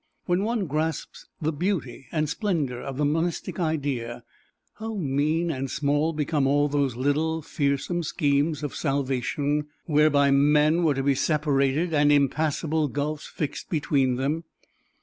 When one once grasps the beauty and splendor of the monistic idea, how mean and small become all those little, fearsome "schemes of salvation," whereby men were to be separated and impassable gulfs fixed between them.